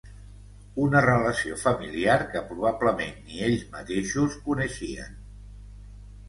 Una relació familiar que probablement ni ells mateixos coneixien.